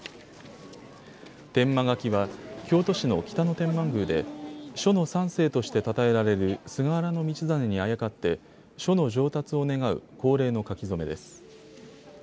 天満書は京都市の北野天満宮で書の三聖としてたたえられる菅原道真にあやかって書の上達を願う恒例の書き初めです。